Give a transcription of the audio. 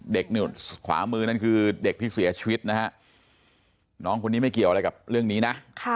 ขวามือนั่นคือเด็กที่เสียชีวิตนะฮะน้องคนนี้ไม่เกี่ยวอะไรกับเรื่องนี้นะ